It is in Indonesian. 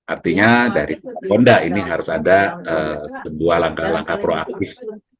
artinya dari honda ini harus ada sebuah langkah langkah proaktif